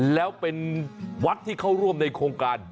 แล้วเป็นวัดที่เข้าร่วมในโครงการ